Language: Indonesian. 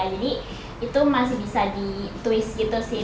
jadi itu masih bisa di twist gitu sih